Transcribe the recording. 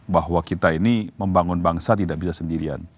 bahwa kita ini membangun bangsa tidak bisa sendirian